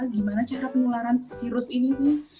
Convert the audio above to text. gimana cara penularan virus ini sih